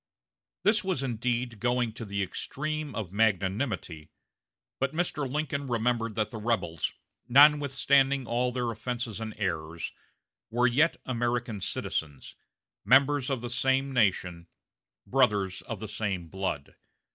This was indeed going to the extreme of magnanimity; but Mr. Lincoln remembered that the rebels, notwithstanding all their offenses and errors, were yet American citizens, members of the same nation, brothers of the same blood.